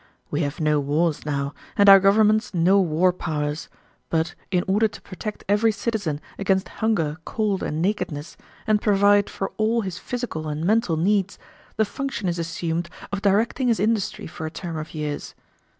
We have no wars now, and our governments no war powers, but in order to protect every citizen against hunger, cold, and nakedness, and provide for all his physical and mental needs, the function is assumed of directing his industry for a term of years.